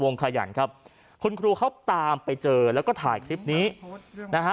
ขยันครับคุณครูเขาตามไปเจอแล้วก็ถ่ายคลิปนี้นะฮะ